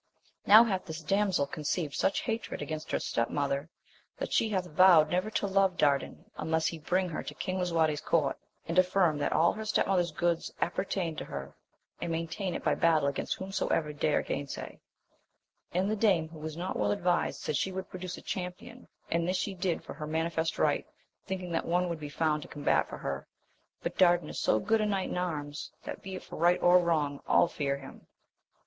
Now hath this damsel conceived such hatred against her stepmother, that she laa\JcL\ov?^^xifcN«t \»ci\oN^I^^<i3M3L AMADIS OF GAUL. 85 unless he bring he.' to King Lisuarte*s court, and affirm that all her ttep mother's goods appertain to her, and maintain it by battle against whomsoever dare gainsay ; and the dame, who was not well advised, said she would produce a champion, and this she did for her manifest right, thinking that one would be found to combat for her; but Dardan is so good a knight in arms, that be it for right or wrong all fear him.